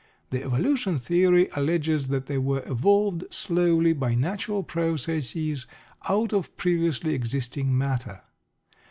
The evolution theory alleges that they were evolved, slowly, by natural processes out of previously existing matter.